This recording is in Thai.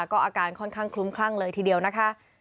ก็อาการค่อนข้างคลุ้มคลั่งเลยทีเดียวนะคะ